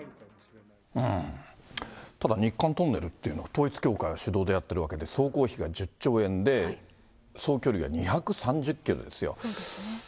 ただ、日韓トンネルっていうのは、統一教会が主導でやってるわけで、総工費が１０兆円で、総距離が２３０キロですよ。